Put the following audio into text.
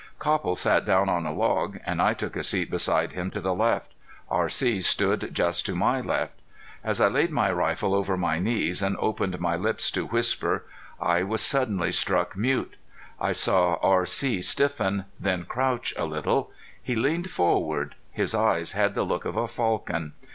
Copple sat down on a log, and I took a seat beside him to the left. R.C. stood just to my left. As I laid my rifle over my knees and opened my lips to whisper I was suddenly struck mute. I saw R.C. stiffen, then crouch a little. He leaned forward his eyes had the look of a falcon.